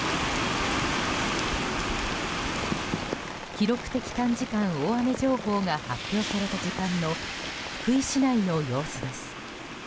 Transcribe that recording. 記録的短時間大雨情報が発表された時間の福井市内の様子です。